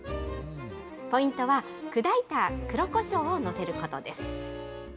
ポイントは、砕いた黒こしょうを載せることです。